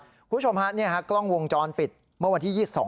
คุณผู้ชมฮะนี่ฮะกล้องวงจรปิดเมื่อวันที่๒๒